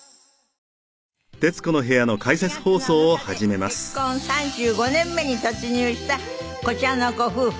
７月７日で結婚３５年目に突入したこちらのご夫婦。